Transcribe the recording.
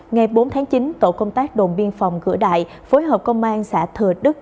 ngày bốn tháng chín tổ công tác đồn biên phòng cửa đại phối hợp công an xã thừa đức